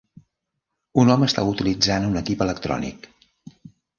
Un home està utilitzant un equip electrònic.